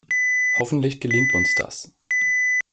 Hoffentlich gelingt uns das.